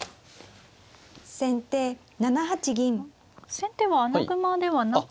先手も穴熊ではなく。